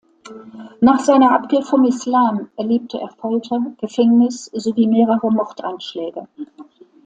Nach seiner Abkehr vom Islam erlebte er Folter, Gefängnis sowie mehrere Mordanschläge.